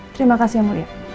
terimakasih yang mulia